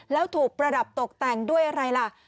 แล้วถูกประดับตกแต่งด้วยอะไรล่ะ